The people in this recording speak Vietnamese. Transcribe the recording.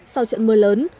sau trận mưa lớn